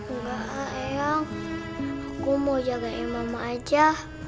enggak eyang aku mau jagain mama aja